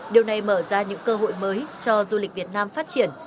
điều này mở ra những cơ hội mới cho du lịch việt nam phát triển